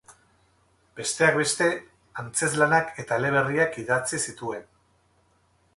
Besteak beste, antzezlanak eta eleberriak idatzi zituen.